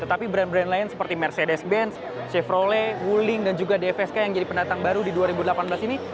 tetapi brand brand lain seperti mercedes benz chevrole wuling dan juga dfsk yang jadi pendatang baru di dua ribu delapan belas ini